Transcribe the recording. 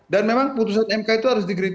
dan memang putusan mk itu harus dikritisi